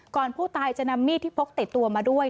ผู้ตายจะนำมีดที่พกติดตัวมาด้วย